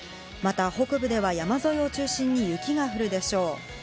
また北部では山沿いを中心に雪が降るでしょう。